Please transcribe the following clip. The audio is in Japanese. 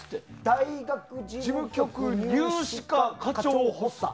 大学事務局入試課課長補佐。